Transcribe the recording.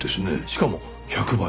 しかも１００倍。